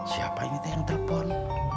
siapa ini teh yang telpon